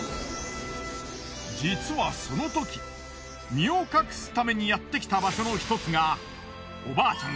実はそのとき身を隠すためにやってきた場所の１つがおばあちゃん